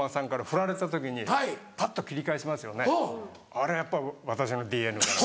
あれはやっぱ私のＤＮＡだな。